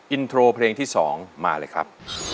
อินโทรเพลงที่๒มาเลยครับ